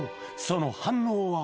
その反応は？